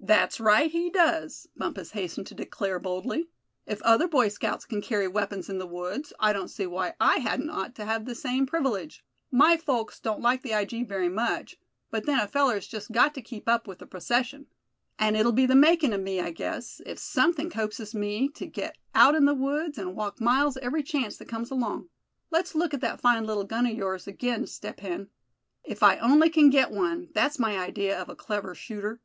"That's right, he does," Bumpus hastened to declare, boldly. "If other Boy Scouts c'n carry weapons in the woods, I don't see why I hadn't ought to have the same privilege. My folks don't like the ijee very much; but then a feller's just got to keep up with the procession. And it'll be the makin' of me, I guess, if somethin' coaxes me to get out in the woods, and walk miles every chance that comes along. Let's look at that fine little gun of yours again, Step Hen. If I only can get one, that's my idea of a clever shooter.